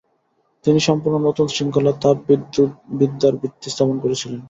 তিনি সম্পূর্ণ নতুন শৃঙ্খলা, তাপবিদ্যুৎবিদ্যার ভিত্তি স্থাপন করেছিলেন।